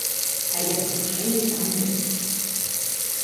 Але парушэнні там ёсць.